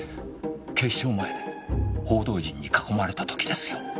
警視庁前で報道陣に囲まれた時ですよ。